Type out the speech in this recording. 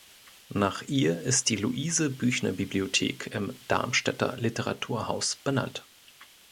Nach ihr ist die Luise-Büchner-Bibliothek im Darmstädter Literaturhaus benannt.